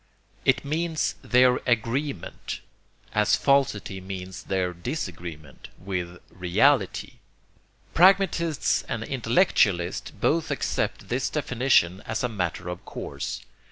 It means their 'agreement,' as falsity means their disagreement, with 'reality.' Pragmatists and intellectualists both accept this definition as a matter of course.